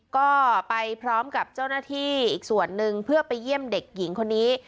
ก็ไปพร้อมกับเจ้าหน้าที่อีกส่วนหนึ่งเพื่อไปเยี่ยมเด็กหญิงคนนี้